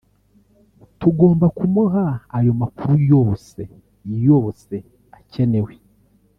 tugomba kumuha ayo makuru yose yose akenewe